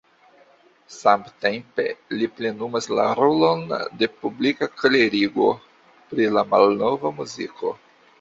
Samtempe li plenumas la rolon de publika klerigo pri la malnova muziko.